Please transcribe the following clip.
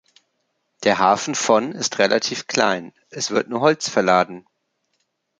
Der Hafen von ist relativ klein, es wird nur Holz verladen.